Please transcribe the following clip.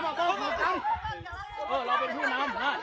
ผู้กำลังมาเสี่ยงเทงตา